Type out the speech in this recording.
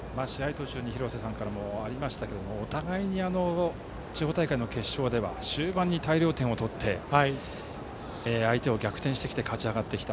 途中に廣瀬さんからもありましたがお互いに、地方大会の決勝では終盤、大量点を取って相手を逆転してきて勝ち上がってきた。